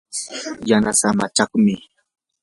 yanasaa amachaqmi.